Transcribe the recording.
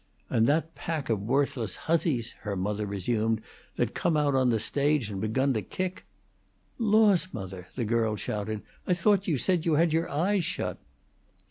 "And that pack of worthless hussies," her mother resumed, "that come out on the stage, and begun to kick." "Laws, mother!" the girl shouted, "I thought you said you had your eyes shut!"